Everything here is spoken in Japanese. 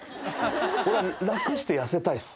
僕は楽して痩せたいっす。